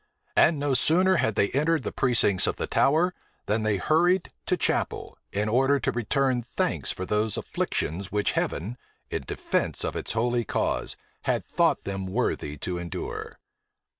And no sooner had they entered the precincts of the Tower than they hurried to chapel, in order to return thanks for those afflictions which heaven, in defence of its holy cause, had thought them worthy to endure.